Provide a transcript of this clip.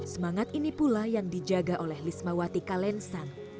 semangat ini pula yang dijaga oleh lismawati kalensan